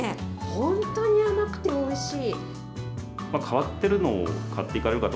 本当に甘くておいしい。